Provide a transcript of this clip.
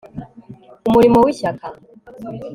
Umuriro wishyaka